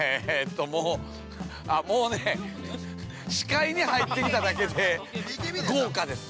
もうね、視界に入ってきただけで豪華です。